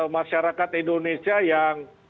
masyarakat indonesia yang